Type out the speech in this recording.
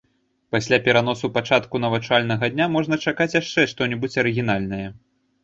Пасля пераносу пачатку навучальнага дня можна чакаць яшчэ што-небудзь арыгінальнае.